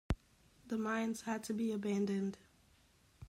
The mines had to be abandoned.